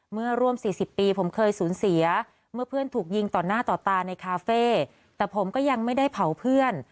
เสียเมื่อเพื่อนถูกยิงต่อหน้าต่อตาในคาเฟ่แต่ผมก็ยังไม่ได้เผาเพื่อน